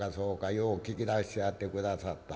よう聞き出してやって下さった。